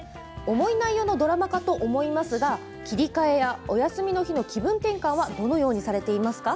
重い内容のドラマかと思いますが切り替えやお休みの日の気分転換はどのようにされてますか？